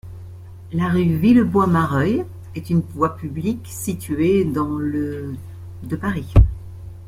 La rue Villebois-Mareuil est une voie publique située dans le de Paris.